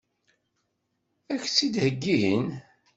Ad k-tt-id-heggin?